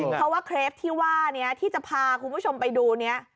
เพราะว่าเครปที่ว่านี้ที่จะพาคุณผู้ชมไปดูนี้